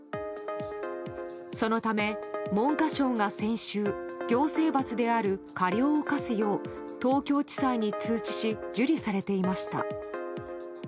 そのため、文科省が先週行政罰である過料を科すよう東京地裁に通知し受理されていました。